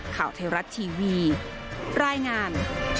ข่าวไทยรัฐทีวีรายงาน